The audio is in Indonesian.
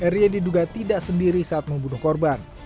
r i e diduga tidak sendiri saat membunuh korban